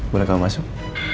boleh kamu masuk